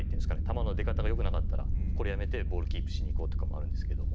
球の出方がよくなかったらこれやめてボールキープしに行こうとかもあるんですけども。